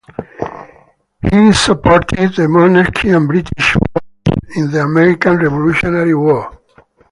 He supported the monarchy and British forces in the American Revolutionary War.